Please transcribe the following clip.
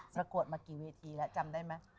ประกวดมากี่เวทีแล้วจำได้ไหม